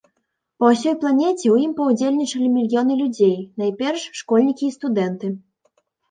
Па ўсёй планеце ў ім паўдзельнічалі мільёны людзей, найперш школьнікі і студэнты.